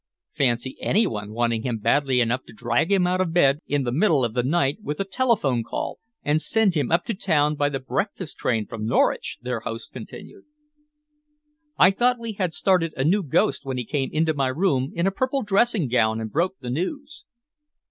"Fancy any one wanting him badly enough to drag him out of bed in the middle of the night with a telephone call and send him up to town by the breakfast train from Norwich!" their host continued. "I thought we had started a new ghost when he came into my room in a purple dressing gown and broke the news."